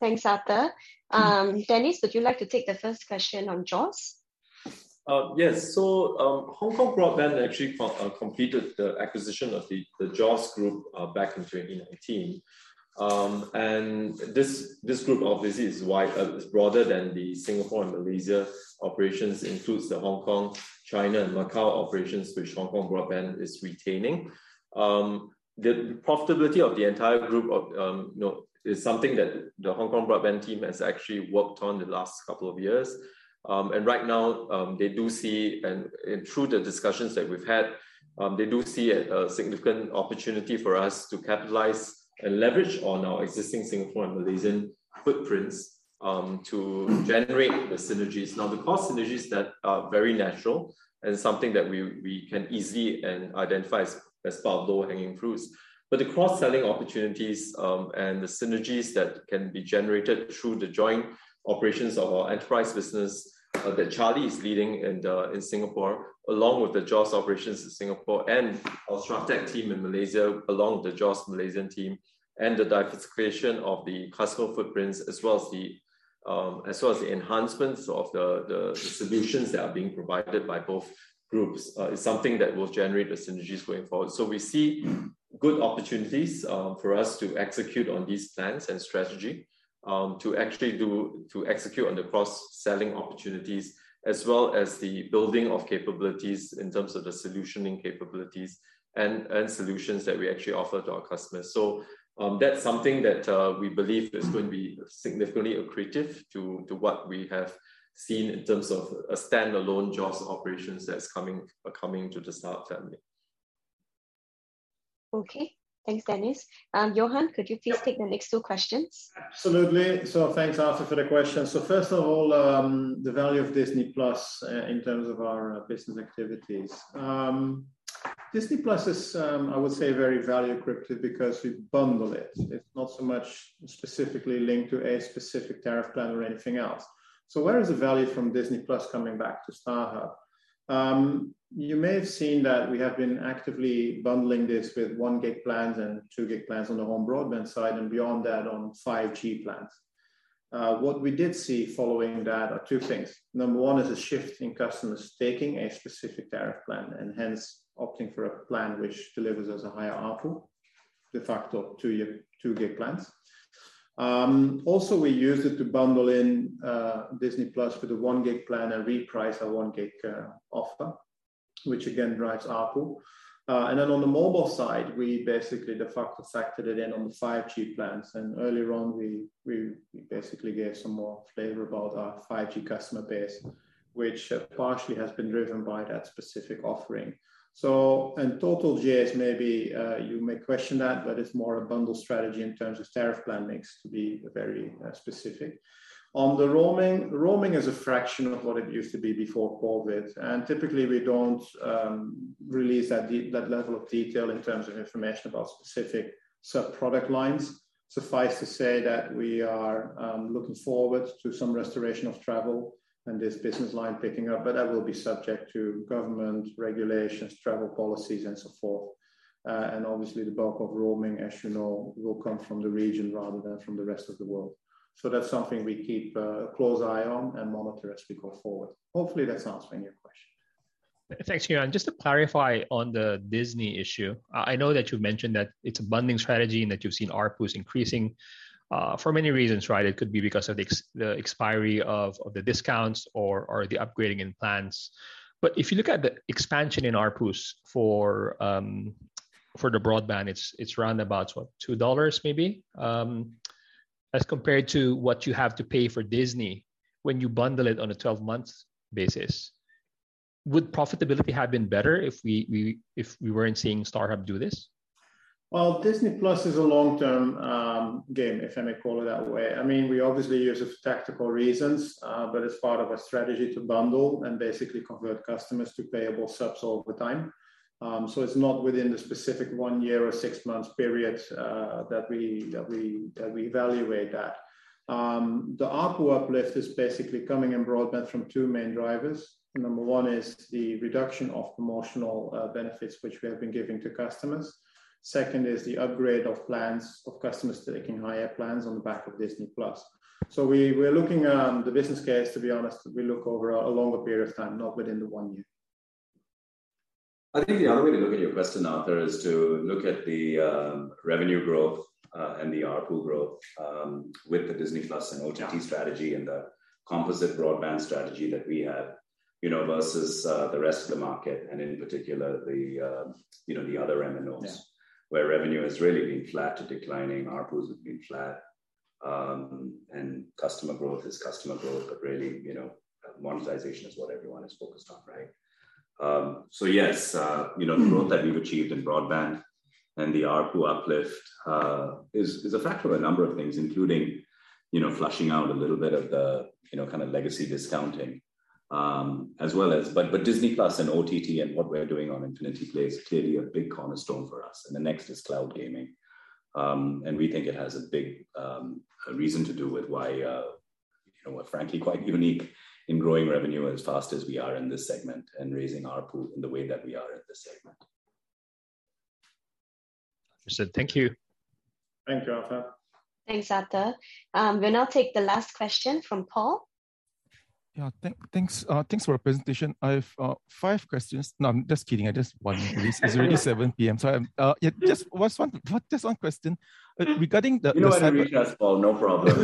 Thanks, Arthur. Dennis, would you like to take the first question on JOS? Yes. Hong Kong Broadband actually completed the acquisition of the JOS Group back in 2019. This group obviously is broader than the Singapore and Malaysia operations. It includes the Hong Kong, China, and Macau operations, which Hong Kong Broadband is retaining. The profitability of the entire group is something that the Hong Kong Broadband team has actually worked on the last couple of years. Right now, and through the discussions that we've had, they do see a significant opportunity for us to capitalize and leverage on our existing Singapore and Malaysian footprints to generate the synergies. The cost synergies that are very natural and something that we can easily identify as part of low-hanging fruits. The cross-selling opportunities, and the synergies that can be generated through the joint operations of our enterprise business that Charlie Chan is leading in Singapore, along with the JOS operations in Singapore and our Strateq team in Malaysia, along with the JOS Malaysia team, and the diversification of the customer footprints as well as the enhancements of the solutions that are being provided by both groups is something that will generate the synergies going forward. We see good opportunities for us to execute on these plans and strategy, to actually execute on the cross-selling opportunities as well as the building of capabilities in terms of the solutioning capabilities and solutions that we actually offer to our customers. That's something that we believe is going to be significantly accretive to what we have seen in terms of a standalone JOS operations that's coming to the StarHub family. Okay. Thanks, Dennis. Johan, could you please take the next two questions? Absolutely. Thanks, Arthur, for the question. First of all, the value of Disney+ in terms of our business activities. Disney+ is, I would say, very value accretive because we bundle it. It's not so much specifically linked to a specific tariff plan or anything else. Where is the value from Disney+ coming back to StarHub? You may have seen that we have been actively bundling this with 1 Gb plans and 2 Gb plans on the home broadband side and beyond that on 5G plans. What we did see following that are two things. Number 1 is a shift in customers taking a specific tariff plan and hence opting for a plan which delivers us a higher ARPU. De facto, 2 Gb plans. Also, we used it to bundle in Disney+ for the 1 Gb plan and reprice our 1 gig offer, which again drives ARPU. On the mobile side, we basically de facto factored it in on the 5G plans. Earlier on we basically gave some more flavor about our 5G customer base, which partially has been driven by that specific offering. In total, Johan, maybe you may question that, but it's more a bundle strategy in terms of tariff plan mix to be very specific. On the roaming is a fraction of what it used to be before COVID, and typically we don't release that level of detail in terms of information about specific sub-product lines. Suffice to say that we are looking forward to some restoration of travel and this business line picking up. That will be subject to government regulations, travel policies and so forth. Obviously the bulk of roaming, as you know, will come from the region rather than from the rest of the world. That's something we keep a close eye on and monitor as we go forward. Hopefully, that's answering your question. Thanks, Johan. Just to clarify on the Disney+ issue, I know that you've mentioned that it's a bundling strategy and that you've seen ARPUs increasing, for many reasons, right? It could be because of the expiry of the discounts or the upgrading in plans. If you look at the expansion in ARPUs for the broadband, it's around about, what, 2 dollars maybe? As compared to what you have to pay for Disney+ when you bundle it on a 12 months basis. Would profitability have been better if we weren't seeing StarHub do this? Well, Disney+ is a long-term game, if I may call it that way. We obviously use it for tactical reasons, but it's part of a strategy to bundle and basically convert customers to payable subs all the time. It's not within the specific one year or six months period that we evaluate that. The ARPU uplift is basically coming in broadband from two main drivers. Number one is the reduction of promotional benefits which we have been giving to customers. Second is the upgrade of plans of customers taking higher plans on the back of Disney+. We're looking the business case, to be honest, we look over a longer period of time, not within the one year. I think the other way to look at your question, Arthur, is to look at the revenue growth, and the ARPU growth, with the Disney+ and OTT strategy and the composite broadband strategy that we have versus the rest of the market, and in particular the other MNOs. Yeah. Where revenue has really been flat to declining, ARPUs have been flat, and customer growth is customer growth. Really, monetization is what everyone is focused on, right? Yes, the growth that we've achieved in broadband and the ARPU uplift is a factor of a number of things, including flushing out a little bit of the legacy discounting. Disney+ and OTT and what we're doing on Infinity Play clearly a big cornerstone for us, and the next is GeForce NOW. We think it has a big reason to do with why we're frankly quite unique in growing revenue as fast as we are in this segment and raising ARPU in the way that we are in this segment. Understood. Thank you. Thank you, Arthur. Thanks, Arthur. We'll now take the last question from Paul. Yeah. Thanks for your presentation. I have five questions. No, I'm just kidding. Just one, please. It's already 7:00 P.M. You know where to reach us, Paul. No problem.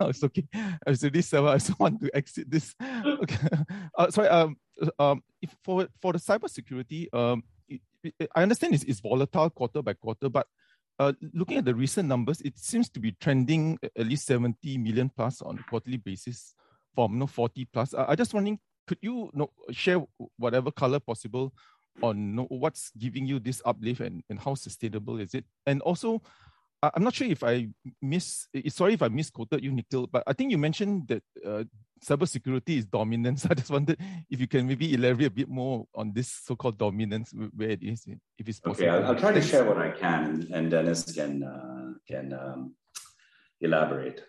No, it's okay. It's already 7:00. I just want to exit this. Okay. Sorry. For the cybersecurity, I understand it's volatile quarter by quarter, but looking at the recent numbers, it seems to be trending at least 70 million+ on a quarterly basis from 40+. I'm just wondering, could you share whatever color possible on what's giving you this uplift and how sustainable is it? Also, I'm not sure if I missed Sorry if I misquoted you, Nikhil, but I think you mentioned that cybersecurity is dominant. I just wondered if you can maybe elaborate a bit more on this so-called dominance, where it is, if it's possible. Okay. I'll try to share what I can, and Dennis can elaborate.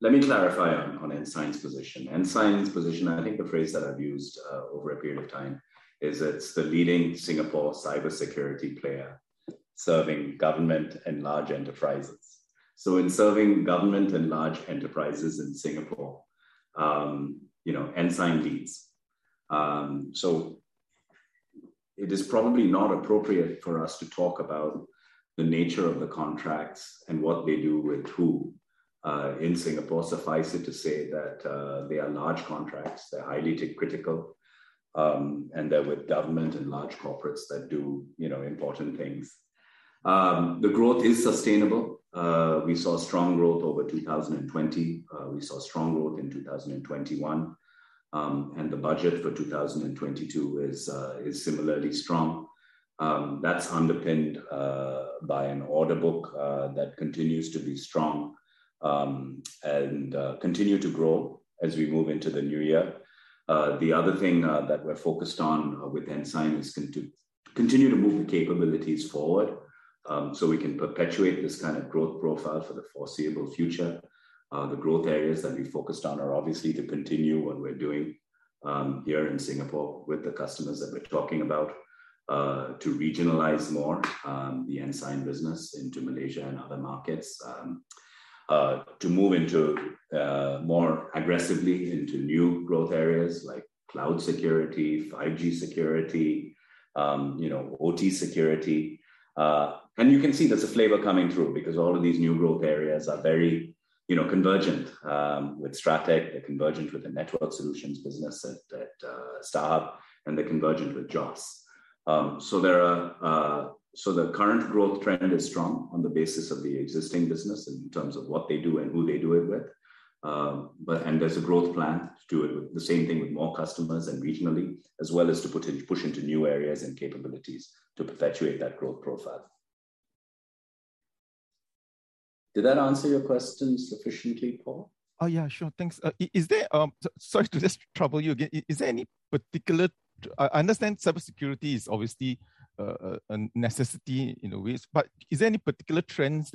Let me clarify on Ensign's position. Ensign's position, I think the phrase that I've used over a period of time is it's the leading Singapore cybersecurity player serving government and large enterprises. In serving government and large enterprises in Singapore, Ensign leads. It is probably not appropriate for us to talk about the nature of the contracts and what they do with who in Singapore. Suffice it to say that they are large contracts, they're highly tech critical, and they're with government and large corporates that do important things. The growth is sustainable. We saw strong growth over 2020. We saw strong growth in 2021. The budget for 2022 is similarly strong. That's underpinned by an order book that continues to be strong, and continue to grow as we move into the new year. The other thing that we're focused on with Ensign is continue to move the capabilities forward, so we can perpetuate this kind of growth profile for the foreseeable future. The growth areas that we focused on are obviously to continue what we're doing here in Singapore with the customers that we're talking about, to regionalize more the Ensign business into Malaysia and other markets, to move more aggressively into new growth areas like cloud security, 5G security, OT security. You can see there's a flavor coming through because all of these new growth areas are very convergent with Strateq, they're convergent with the network solutions business at StarHub, and they're convergent with JOS. The current growth trend is strong on the basis of the existing business in terms of what they do and who they do it with. There's a growth plan to do the same thing with more customers and regionally, as well as to push into new areas and capabilities to perpetuate that growth profile. Did that answer your question sufficiently, Paul? Oh, yeah. Sure, thanks. Sorry to just trouble you again. I understand cybersecurity is obviously a necessity in a way, is there any particular trends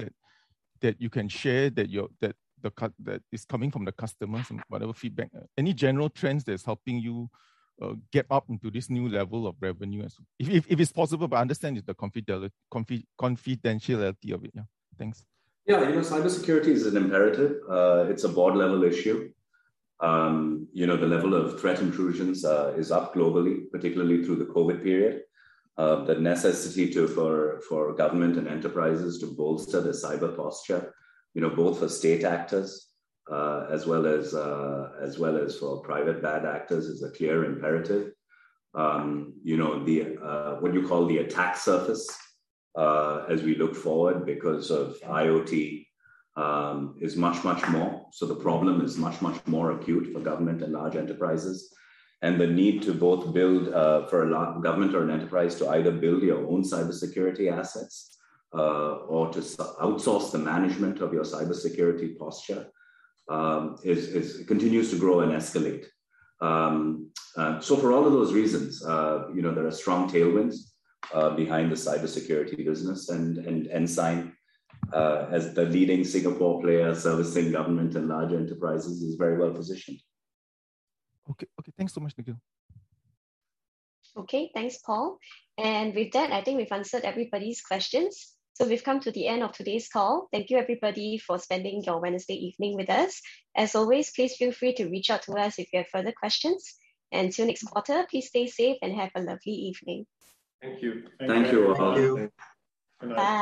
that you can share that is coming from the customers and whatever feedback? Any general trends that's helping you get up into this new level of revenue? If it's possible, I understand the confidentiality of it. Yeah. Thanks. Yeah. Cybersecurity is an imperative. It's a board level issue. The level of threat intrusions is up globally, particularly through the COVID period. The necessity for government and enterprises to bolster their cyber posture, both for state actors as well as for private bad actors, is a clear imperative. What you call the attack surface as we look forward because of IoT is much, much more. The problem is much, much more acute for government and large enterprises. The need to both build for a government or an enterprise to either build your own cybersecurity assets or to outsource the management of your cybersecurity posture continues to grow and escalate. For all of those reasons, there are strong tailwinds behind the cybersecurity business, and Ensign, as the leading Singapore player servicing government and large enterprises, is very well positioned. Okay. Thanks so much, Nikhil. Okay. Thanks, Paul. With that, I think we've answered everybody's questions. We've come to the end of today's call. Thank you everybody for spending your Wednesday evening with us. As always, please feel free to reach out to us if you have further questions. Till next quarter, please stay safe and have a lovely evening. Thank you. Thank you all. Thank you. Bye